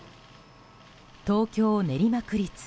東京・練馬区立